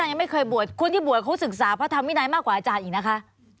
ต้องมีคนที่บวชเขาศึกษาพระธรรมดินัยมากกว่าอาจารย์อีกนะคะ